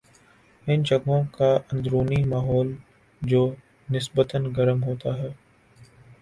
ان جگہوں کا اندرونی ماحول جو نسبتا گرم ہوتا ہے